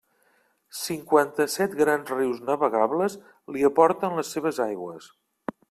Cinquanta-set grans rius navegables li aporten les seves aigües.